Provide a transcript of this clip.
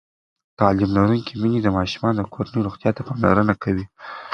تعلیم لرونکې میندې د ماشومانو د کورنۍ روغتیا ته پاملرنه کوي.